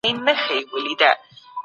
اسلام د ژوند د هرې شېبې لپاره پلان لري.